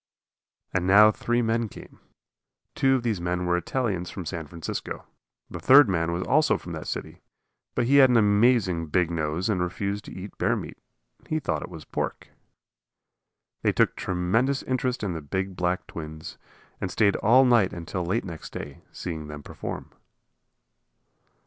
And now three men came. Two of these men were Italians from San Francisco. The third man was also from that city, but he had an amazing big nose and refused to eat bear meat. He thought it was pork. They took tremendous interest in the big black twins, and stayed all night and till late next day, seeing them perform.